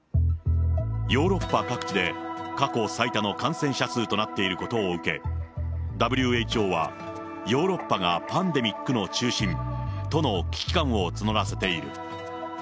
ヨーロッパ各地で過去最多の感染者数となっていることを受け、ＷＨＯはヨーロッパがパンデミックの中心との危機感を募らせている。